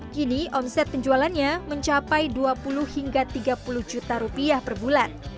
kini omset penjualannya mencapai dua puluh hingga tiga puluh juta rupiah per bulan